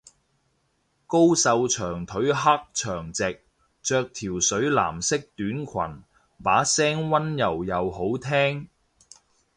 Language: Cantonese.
高瘦長腿黑長直，着條水藍色短裙，把聲溫柔又好聽